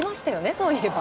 そういえば。